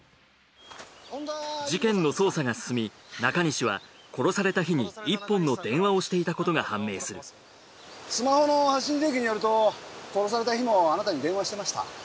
事件の捜査が進み中西は殺された日に１本の電話をしていたことが判明するスマホの発信履歴によると殺された日もあなたに電話してました？